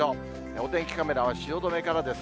お天気カメラは汐留からです。